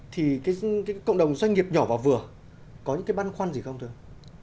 thì cái cộng đồng doanh nghiệp nhỏ và vừa có những cái băn khoăn gì không thưa ông